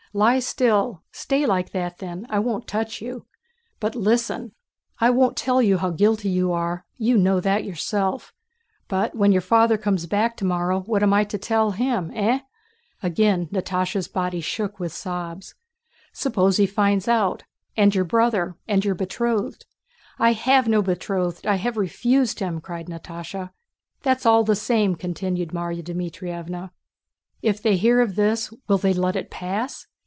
Lie still, stay like that then, I won't touch you. But listen. I won't tell you how guilty you are. You know that yourself. But when your father comes back tomorrow what am I to tell him? Eh?" Again Natásha's body shook with sobs. "Suppose he finds out, and your brother, and your betrothed?" "I have no betrothed: I have refused him!" cried Natásha. "That's all the same," continued Márya Dmítrievna. "If they hear of this, will they let it pass?